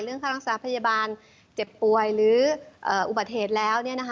ค่ารักษาพยาบาลเจ็บป่วยหรืออุบัติเหตุแล้ว